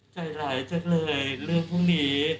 ใจร้ายจังเลยเรื่องพวกนี้